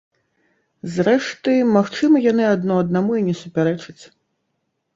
Зрэшты, магчыма яны адно аднаму не і супярэчаць.